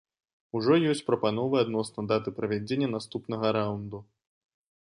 Ужо есць прапановы адносна даты правядзення наступнага раўнду.